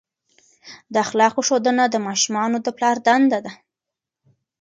د اخلاقو ښودنه د ماشومانو د پلار دنده ده.